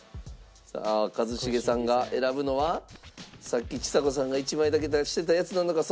さあ一茂さんが選ぶのはさっきちさ子さんが１枚だけ出してたやつなのか？